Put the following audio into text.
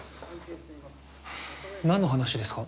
何の話ですか？